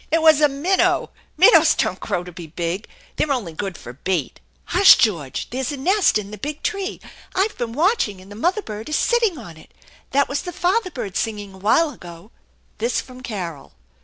" It was a minnow. Min nows don't grow to be big. They're only good for bait!" " Hush, George, there's a nest in the big tree. I've been watching and the mother bird is sitting on it. That was the father bird singing a while ago." This from Carol.